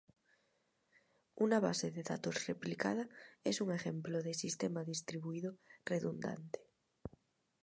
Una base de datos replicada es un ejemplo de sistema distribuido redundante.